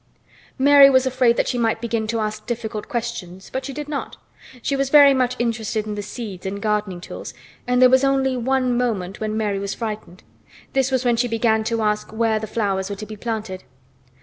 Mary was afraid that she might begin to ask difficult questions, but she did not. She was very much interested in the seeds and gardening tools, and there was only one moment when Mary was frightened. This was when she began to ask where the flowers were to be planted.